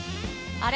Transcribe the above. あれ？